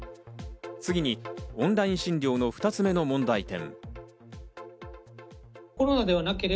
次に、オンライン診療の２つ目の問題点。